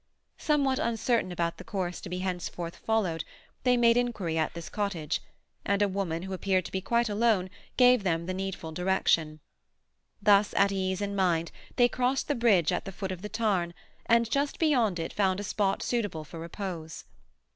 Somewhat uncertain about the course to be henceforth followed, they made inquiry at this cottage, and a woman who appeared to be quite alone gave them the needful direction. Thus at ease in mind they crossed the bridge at the foot of the tarn, and just beyond it found a spot suitable for repose.